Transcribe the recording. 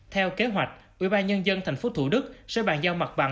theo kế hoạch ủy ban nhân dân tp thủ đức sẽ bàn giao mặt bằng